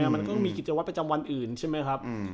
มันก็มีกิจวัตรประจำวันอื่นใช่ไหมครับ